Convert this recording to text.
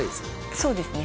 そうですね